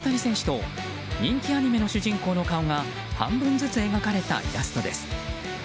エンゼルスのユニホームを着た大谷選手と人気アニメの主人公の顔が半分ずつ描かれたイラストです。